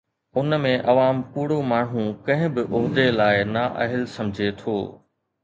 ان ۾ عوام ڪوڙو ماڻهو ڪنهن به عهدي لاءِ نااهل سمجهي ٿو.